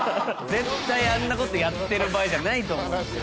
絶対あんなことやってる場合じゃないと思うんですけど。